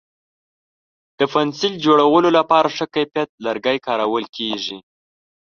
د پنسل جوړولو لپاره ښه کیفیت لرګی کارول کېږي.